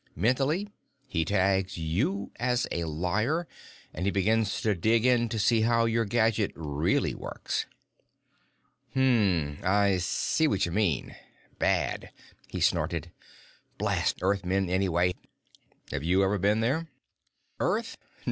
Mentally, he tags you as a liar, and he begins to try to dig in to see how your gadget really works." "Hm m m. I see what you mean. Bad." He snorted. "Blast Earthmen, anyway! Have you ever been there?" "Earth?